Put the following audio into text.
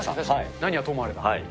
何はともあれだ。